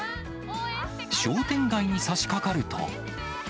商店街にさしかかると。